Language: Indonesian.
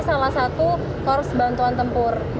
salah satu kors bantuan tempur